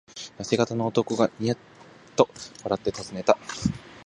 やせ型の男がニヤッと笑ってたずねた。